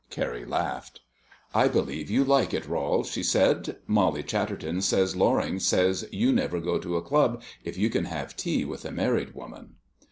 Carrie laughed. "I believe you like it, Rol," she said. "Molly Chatterton says Loring says you never go to a club if you can have tea with a married woman."